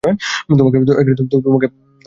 তোমাকে উঠতে হবে।